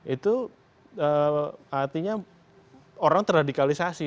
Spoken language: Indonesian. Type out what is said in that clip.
itu artinya orang terradikalisasi